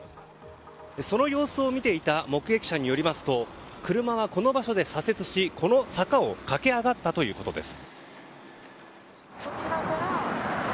その様子を見ていた目撃者によりますと車はこの場所で左折し、この坂を駆け上がったということです。